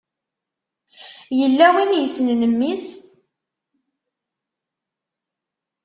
Yella win yessnen mmi-s?